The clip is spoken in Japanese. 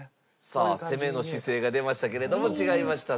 さあ攻めの姿勢が出ましたけれども違いました。